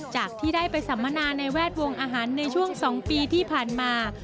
จากที่ได้ไปสัมมนาในแวดวงอาหารในช่วง๒ปีที่ผ่านมา